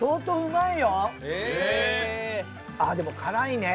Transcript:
あっでも辛いね。